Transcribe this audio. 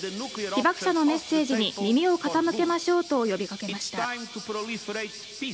被爆者のメッセージに耳を傾けましょうと呼び掛けました。